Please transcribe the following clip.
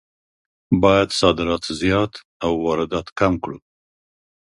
باید صادرات زیات او واردات کم کړو.